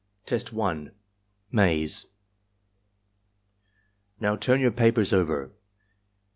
Test 1. — Maze "Now turn your papers over.